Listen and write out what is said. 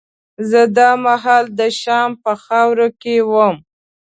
زه دا مهال د شام په خاوره کې وم.